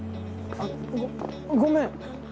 あっごごめん。